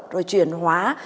rồi chuyển hóa